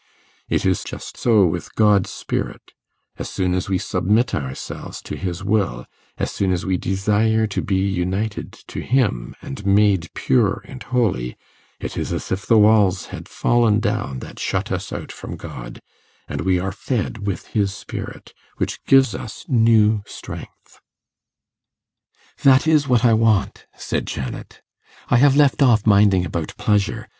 It is just so with God's spirit: as soon as we submit ourselves to his will, as soon as we desire to be united to him, and made pure and holy, it is as if the walls had fallen down that shut us out from God, and we are fed with his spirit, which gives us new strength.' 'That is what I want,' said Janet; 'I have left off minding about pleasure.